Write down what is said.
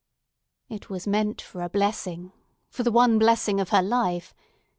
It was meant for a blessing—for the one blessing of her life!